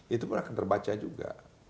itu pun akan terbaca juga